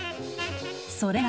それが。